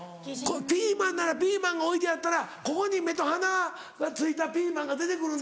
ピーマンならピーマンが置いてあったらここに目と鼻がついたピーマンが出て来るんだ。